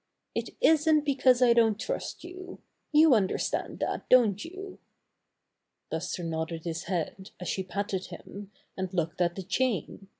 isn't because I don't trust you. You understand that, don't you?" Buster nodded his head, as she patted him, and looked at the chain.